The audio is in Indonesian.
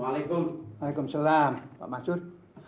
waalaikumsalam pak mansur